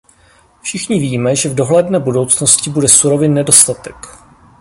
Všichni víme, že v dohledné budoucnosti bude surovin nedostatek.